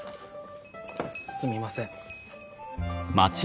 すみません。